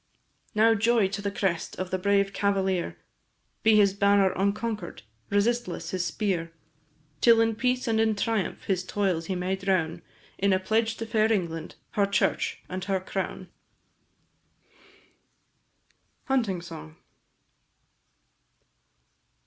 Now joy to the crest of the brave cavalier, Be his banner unconquer'd, resistless his spear, Till in peace and in triumph his toils he may drown, In a pledge to fair England, her church, and her crown! "Rokeby," canto fifth. HUNTING SONG.